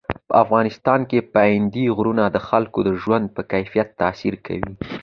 په افغانستان کې پابندی غرونه د خلکو د ژوند په کیفیت تاثیر کوي.